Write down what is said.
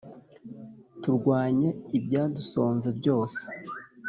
turwanye ibyadusonze byose